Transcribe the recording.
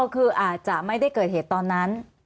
คืออาจจะไม่ได้เกิดเหตุตอนนั้น